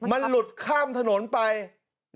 แล้วมันเข้าฝั่งคนขาดมันเป็นจังหวะเต็มเลยนะ